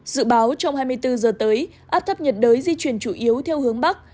dự báo trong hai mươi bốn giờ tới áp thấp nhiệt đới di chuyển chủ yếu theo hướng bắc